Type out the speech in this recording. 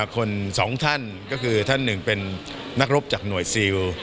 คนสองท่านก็คือท่านหนึ่งเป็นนักรบจากหน่วยซิล